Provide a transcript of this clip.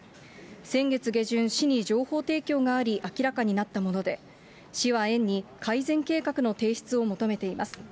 先月下旬、市に情報提供があり、明らかになったもので、市は園に、改善計画の提出を求めています。